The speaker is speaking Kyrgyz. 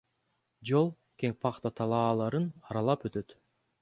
Жол кең пахта талааларын аралап өтөт.